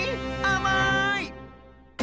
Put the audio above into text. あまい！